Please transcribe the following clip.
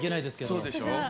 そうでしょ。